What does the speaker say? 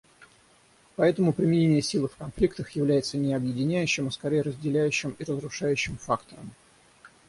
Поэтому применение силы в конфликтах является не объединяющим, а скорее разделяющим и разрушающим фактором.